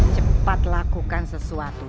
cepat lakukan sesuatu